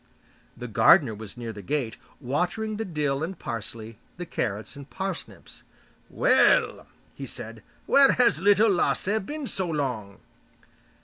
The gardener was near the gate, watering the dill and parsley, the carrots and parsnips. 'Well,' he said, 'where has Little Lasse been so long?